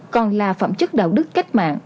còn là phẩm chất đạo đức cách mạng